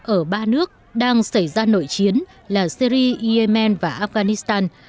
ở ba nước đang xảy ra nội chiến là syri yemen và afghanistan